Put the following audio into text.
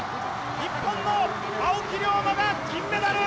日本の青木涼真が銀メダル！